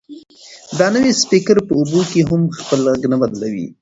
دا نوی سپیکر په اوبو کې هم خپل غږ نه بدلوي.